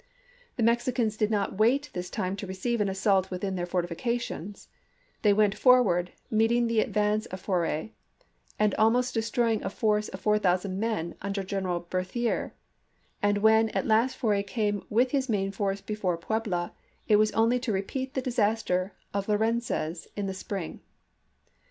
The Mexicans did not wait this time to receive an assault within their fortifications ; they went forward, meeting the ad vance of Forey, and almost destroyed a force of 4,000 men under General Berthier, and when at last Forey came with his main force before Puebla it was only to repeat the disaster of Lorencez in the spring.